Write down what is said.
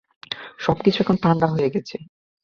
সবকিছু এখন ঠান্ডা হয়ে গেছে।